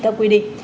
theo quy định